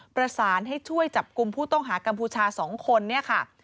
ประสานให้ช่วยจับกลุ่มผู้ต้องหากัมพูชา๒คนเนี่ยค่ะ